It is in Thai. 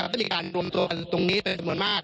ต้องการรวมตัวตรงนี้เป็นจำนวนมาก